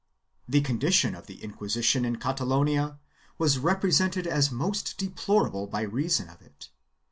The condition of the Inquisi tion in Catalonia was represented as most deplorable by reason of it.